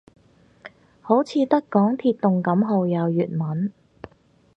好似得港鐵動感號有粵文